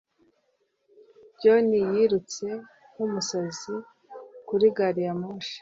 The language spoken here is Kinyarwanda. John yirutse nkumusazi kuri gari ya moshi